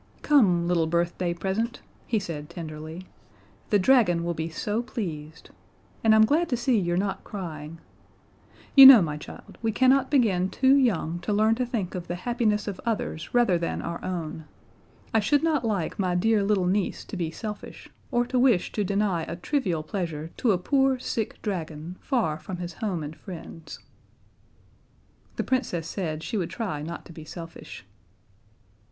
"Come, little birthday present," he said tenderly. "The dragon will be so pleased. And I'm glad to see you're not crying. You know, my child, we cannot begin too young to learn to think of the happiness of others rather than our own. I should not like my dear little niece to be selfish, or to wish to deny a trivial pleasure to a poor, sick dragon, far from his home and friends." The Princess said she would try not to be selfish.